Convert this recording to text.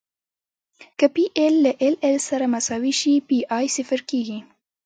که پی ایل له ایل ایل سره مساوي شي پی ای صفر کیږي